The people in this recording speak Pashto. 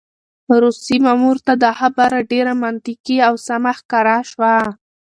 روسي مامور ته دا خبره ډېره منطقي او سمه ښکاره شوه.